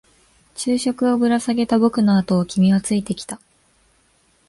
昼食をぶら下げた僕のあとを君はついてきた。